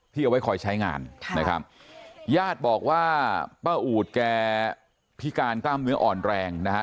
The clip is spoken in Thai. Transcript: เอาไว้คอยใช้งานนะครับญาติบอกว่าป้าอูดแกพิการกล้ามเนื้ออ่อนแรงนะฮะ